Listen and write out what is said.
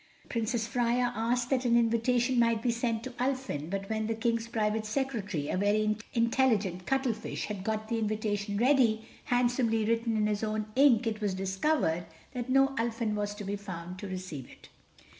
Princess Freia asked that an invitation might be sent to Ulfin—but when the King's Private Secretary, a very intelligent cuttlefish, had got the invitation ready, handsomely written in his own ink, it was discovered that no Ulfin was to be found to receive it.